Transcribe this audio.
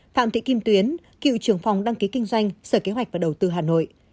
phạm thị kim tuyến cựu trưởng phòng đăng ký kinh doanh sở kế hoạch và đầu tư hà nội